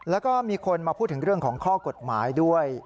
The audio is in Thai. แล้วก็มีคนมาพูดถึงเรื่องของข้อกฎหมายด้วย